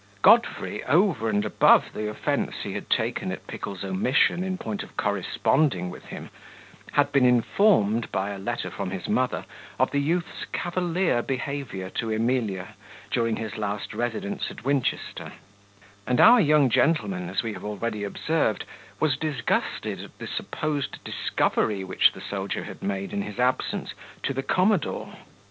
Godfrey, over and above the offence he had taken at Pickle's omission in point of corresponding with him, had been informed, by a letter from his mother, of the youth's cavalier behaviour to Emilia, during his last residence at Winchester; and our young gentleman, as we have already observed, was disgusted at the supposed discovery which the soldier had made in his absence to the commodore.